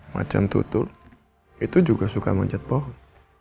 macan tutul itu juga suka manjat pohon